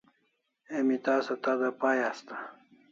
Emi tasa tada pai asta